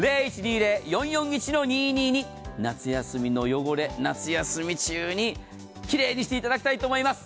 夏休みの汚れ、夏休み中にきれいにしていただきたいと思います。